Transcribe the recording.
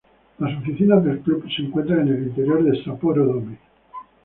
Las oficinas del club se encuentran en el interior del Sapporo Dome.